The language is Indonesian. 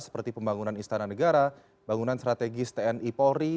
seperti pembangunan istana negara bangunan strategis tni polri